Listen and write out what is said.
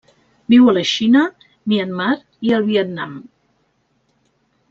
Viu a la Xina, Myanmar i el Vietnam.